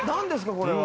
これは。